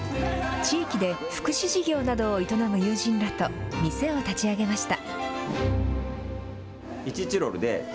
地域で福祉事業などを営む友人らと店を立ち上げました。